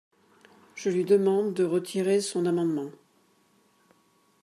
Je lui demande de retirer son amendement.